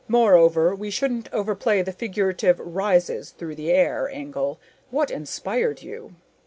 Moreover, we shouldn't overplay the figurative 'rises through the air' angle. What inspired you?"